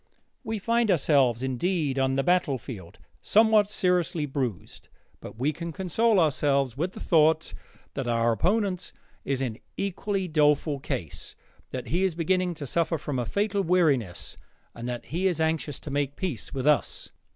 We find ourselves indeed on the battlefield somewhat seriously bruised, but we can console ourselves with the thought that our opponent is in equally doleful case, that he is beginning to suffer from a fatal weariness, and that he is anxious to make peace with us.